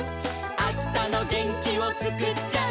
「あしたのげんきをつくっちゃう」